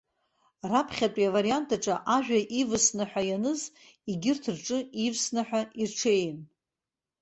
Раԥхьатәи авариант аҿы ажәа ивысны ҳәа ианыз, егьырҭ рҿы ивсны ҳәа ирҽеин.